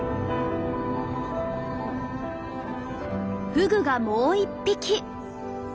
フグがもう一匹。